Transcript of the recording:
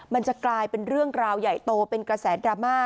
มันจะกลายเป็นเรื่องราวใหญ่โตเป็นกระแสดราม่า